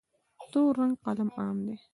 تور رنګ قلم عام دی.